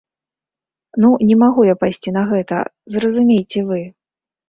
Ну не магу я пайсці на гэта, зразумейце вы!